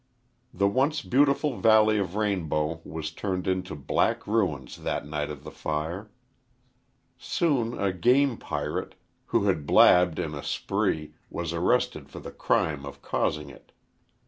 The once beautiful valley of Rainbow was turned into black ruins that night of the fire. Soon a "game pirate," who had "blabbed" in a spree, was arrested for the crime of causing it.